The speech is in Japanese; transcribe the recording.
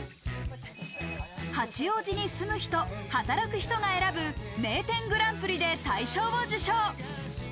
八王子に住む人、働く人が選ぶ名店グランプリで大賞を受賞。